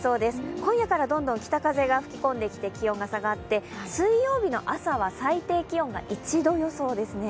今夜からどんどん北風が吹き込んできて気温が下がって水曜日の朝は最低気温が１度予想ですね。